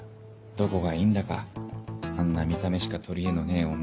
どこがいいんだかあんな見た目しか取りえのねえ女。